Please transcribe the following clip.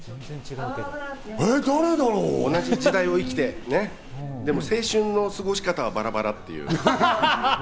同じ時代を生きて、青春の過ごし方はバラバラっていう。